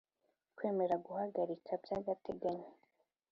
Kwemera guhagarika by agateganyo